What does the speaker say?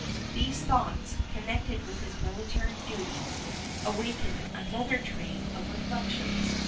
These thoughts, connected with his military duties, awakened another train of reflections.